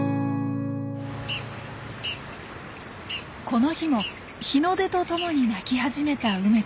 この日も日の出とともに鳴き始めた梅ちゃん。